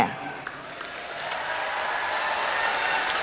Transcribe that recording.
terus ada bu bintang buspayoga